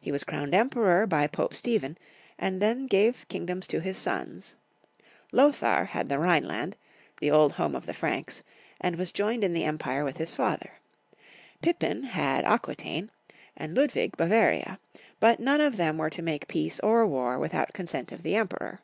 He was crowned Emperor by Pope Stephen, and then gave kingdoms to his sons; Lothar* had the Rhineland, the old home of the Franks, and was joined in the empire with liis father; Pippin had ♦ Famous Wai'rior. 73 74 Young Folks' History of Germany. Aquitaine, and Ludwig Bavaria; but none of them were to make peace or war without consent of the Emperor.